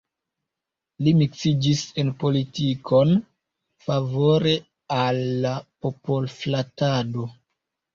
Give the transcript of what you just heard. Li miksiĝis en politikon, favore al la popol-flatado.